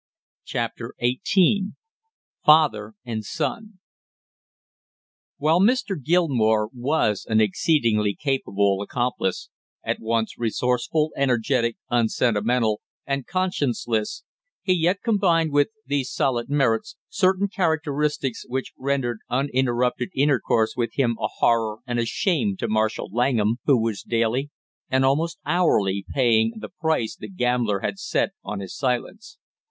CHAPTER EIGHTEEN FATHER AND SON While Mr. Gilmore was an exceedingly capable accomplice, at once resourceful, energetic, unsentimental and conscienceless, he yet combined with these solid merits, certain characteristics which rendered uninterrupted intercourse with him a horror and a shame to Marshall Langham who was daily and almost hourly paying the price the gambler had set on his silence.